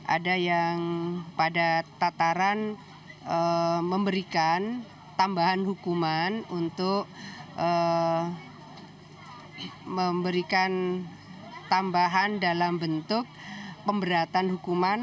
ada yang pada tataran memberikan tambahan hukuman untuk memberikan tambahan dalam bentuk pemberatan hukuman